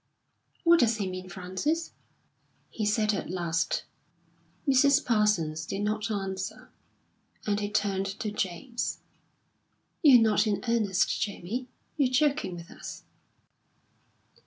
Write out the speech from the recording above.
"What does he mean, Frances?" he said at last. Mrs. Parsons did not answer, and he turned to James. "You're not in earnest, Jamie? You're joking with us?"